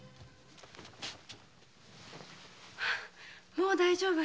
もう大丈夫。